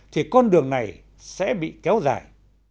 thì con đường này sẽ bị kéo dài